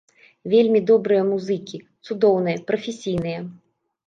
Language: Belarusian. Вельмі добрыя музыкі, цудоўныя, прафесійныя.